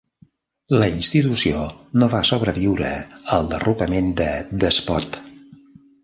La institució no va sobreviure al derrocament de Despot.